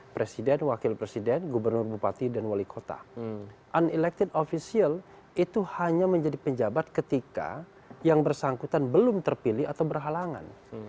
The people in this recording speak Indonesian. presiden wakil presiden gubernur bupati dan wali kota unelected official itu hanya menjadi penjabat ketika yang bersangkutan belum terpilih atau berhalangan